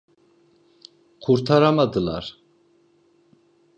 Kurtaramadılar…